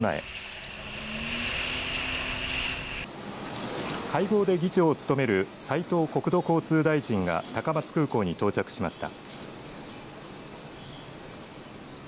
午前１１時前会合で議長を務める斉藤国土交通大臣が高松空港に到着しました。